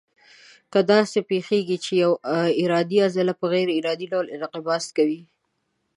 کله داسې پېښېږي چې یوه ارادي عضله په غیر ارادي ډول انقباض کوي.